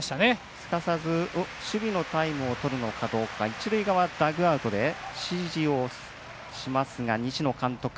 すかさず守備のタイムをとるのかどうか一塁側ダグアウトで指示をしますが、西野監督。